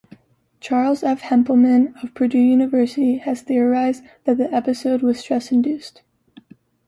Charles F. Hempelmann of Purdue University has theorized that the episode was stress-induced.